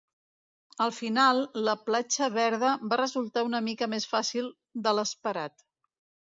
Al final, la platja Verda va resultar una mica més fàcil de l'esperat.